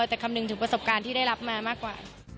แต่คำนึงถึงประสบการณ์ที่ได้รับมามากกว่า